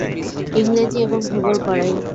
ইংরেজি এবং ভূগোল পড়াই।